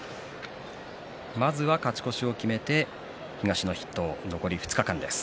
まずは勝ち越しを決めて東の筆頭、残り２日間です。